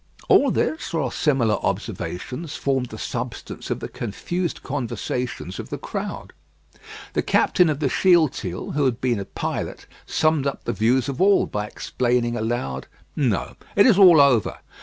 All this, or similar observations, formed the substance of the confused conversations of the crowd. The captain of the Shealtiel, who had been a pilot, summed up the views of all by exclaiming aloud: "No; it is all over.